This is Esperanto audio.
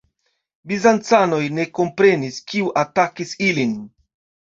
Bizancanoj ne komprenis, kiu atakis ilin.